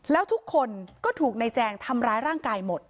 แล้วทุกคนก็ถูกนายแจงทำร้ายร่างกายหมด